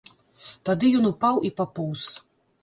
Тады ён упаў і папоўз.